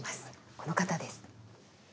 この方です。